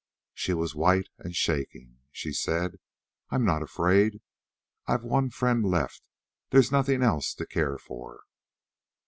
She was white and shaking. She said: "I'm not afraid. I've one friend left; there's nothing else to care for."